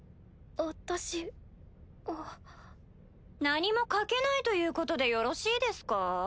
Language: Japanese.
何も賭けないということでよろしいですか？